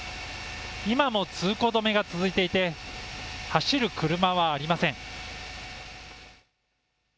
今も通行止めが続いていて走る車はありません。